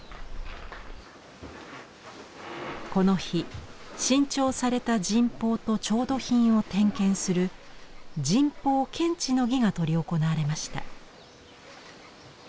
この日新調された神宝と調度品を点検する神宝検知之儀が執り行われました。